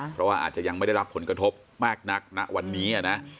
เพราะว่าอาจจะยังไม่ได้รับผลกระทบมากนักณวันนี้นะ